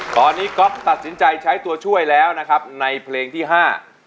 ตอนนี้ก๊อฟตัดสินใจใช้ตัวช่วยแล้วนะครับในเพลงที่ห้า